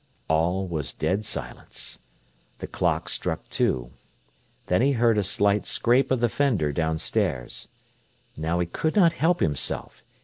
All was dead silence. The clock struck two. Then he heard a slight scrape of the fender downstairs. Now he could not help himself.